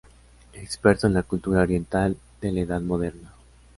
Experto en la cultura oriental de la Edad Moderna.